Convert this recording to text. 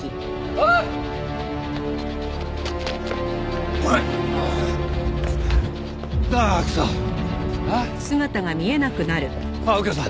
あっ右京さん